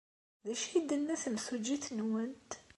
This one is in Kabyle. D acu ay d-tenna temsujjit-nwent?